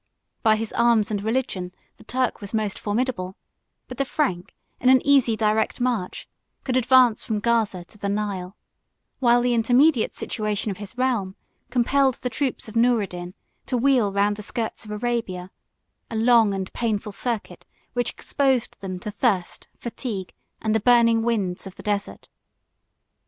By his arms and religion the Turk was most formidable; but the Frank, in an easy, direct march, could advance from Gaza to the Nile; while the intermediate situation of his realm compelled the troops of Noureddin to wheel round the skirts of Arabia, a long and painful circuit, which exposed them to thirst, fatigue, and the burning winds of the desert.